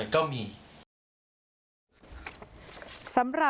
นี่แหละตรงนี้แหละ